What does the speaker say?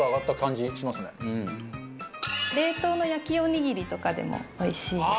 冷凍の焼きおにぎりとかでもおいしいです。